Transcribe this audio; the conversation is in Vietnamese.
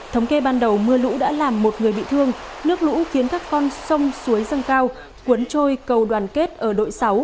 thống kê ban đầu mưa lũ đã làm một người bị thương nước lũ khiến các con sông suối dâng cao cuốn trôi cầu đoàn kết ở đội sáu